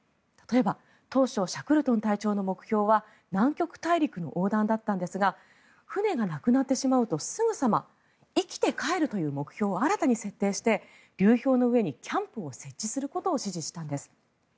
例えば当初、シャクルトン隊長の目標は南極大陸の横断だったんですが船がなくなってしまうとすぐさま生きて帰るという目標を新たに設定して流氷の上にキャンプを設置することを指示したんです。